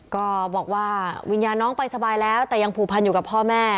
ก็บอกว่าวิญญาณน้องไปสบายแล้วแต่ยังผูกพันอยู่กับพ่อแม่